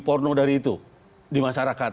porno dari itu di masyarakat